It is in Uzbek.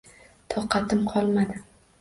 Toqatim qolmadi